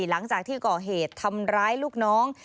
หลังจากที่ก่อเหตุทำร้ายลูกน้อง